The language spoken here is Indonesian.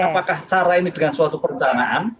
apakah cara ini dengan suatu perencanaan